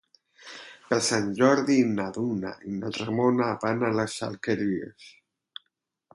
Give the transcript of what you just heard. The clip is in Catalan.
Per Sant Jordi na Duna i na Ramona van a les Alqueries.